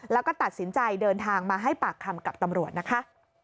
แล้วก็ตัดสินใจเดินทางมาให้ปากคำกับตำรวจนะคะ